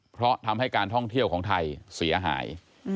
เพราะทำให้การท่องเที่ยวของไทยเสียหาย